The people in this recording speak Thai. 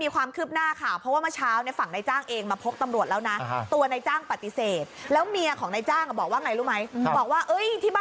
บอกว่าที่บ้านคนอยู่ต้องเย้่ถ้าเกิดขโมขึ้นพวกนี้